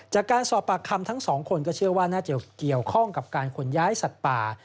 จากการสอบปากคำทั้งสองคนก็เชื่อว่าน่าจะเกี่ยวข้องกับการขนย้ายสัตว์ป่า